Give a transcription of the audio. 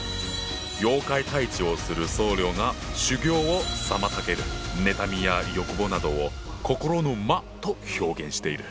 妖怪退治をする僧侶が修行を妨げる妬みや欲望などを心の「魔」と表現している。